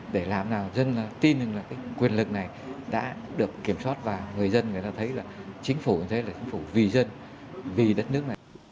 để làm nào dân tin rằng là cái quyền lực này đã được kiểm soát và người dân người ta thấy là chính phủ người ta là chính phủ vì dân vì đất nước này